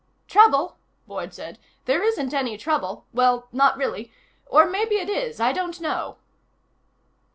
"Trouble?" Boyd said. "There isn't any trouble. Well, not really. Or maybe it is. I don't know."